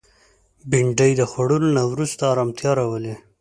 بېنډۍ د خوړلو نه وروسته ارامتیا راولي